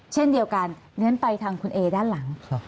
เช่นเดียวกันงั้นไปทางคุณเอด้านหลัง